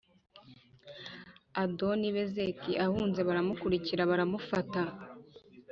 Adoni-Bezeki ahunze baramukurikira baramufata,